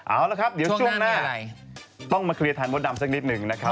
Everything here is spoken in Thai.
เอาละครับเดี๋ยวช่วงหน้าต้องมาเคลียร์แทนมดดำสักนิดหนึ่งนะครับ